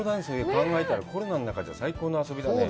考えたら、コロナの中で最高の遊びだね。